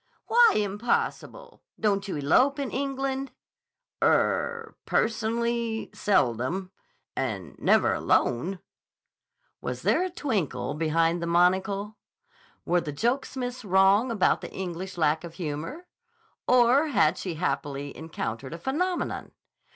"Why impossible? Don't you elope in England?" "Er—personally, seldom. And never alone." Was there a twinkle behind the monocle? Were the jokesmiths wrong about the English lack of humor? Or had she, happily, encountered a phenomenon?